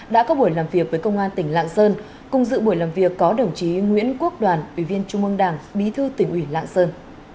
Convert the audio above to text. đã có buổi làm việc với công an tỉnh lạng sơn cùng dự buổi làm việc có đồng chí nguyễn quốc đoàn ủy viên trung mương đảng bí thư tỉnh ủy lạng sơn